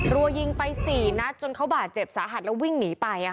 รัวยิงไป๔นัดจนเขาบาดเจ็บสาหัสแล้ววิ่งหนีไป